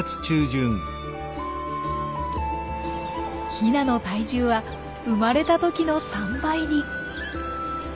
ヒナの体重は生まれた時の３倍に。